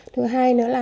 thứ hai nữa là